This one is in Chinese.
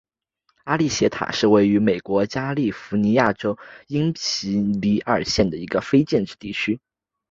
阿科利塔是位于美国加利福尼亚州因皮里尔县的一个非建制地区。